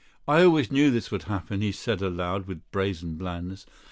"I always knew this would happen," he said aloud with brazen blandness.